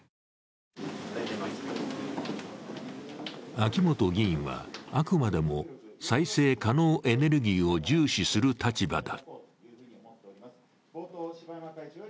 秋本議員は、あくまでも再生可能エネルギーを重視する立場だ。